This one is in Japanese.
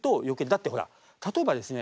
だってほら例えばですね